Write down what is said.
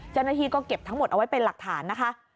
เจ้าหน้าที่ก็เก็บทั้งหมดเอาไว้เป็นหลักฐานนะคะ